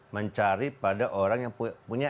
mencari pada orang yang punya